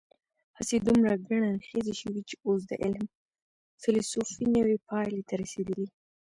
هڅې دومره ګڼ اړخیزې شوي چې اوس د علم فېلسوفي نوې پایلې ته رسېدلې.